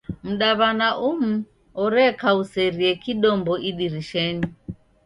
Mdaw'ana umu orekauserie kidombo idirishenyi.